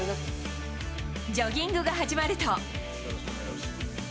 ジョギングが始まると。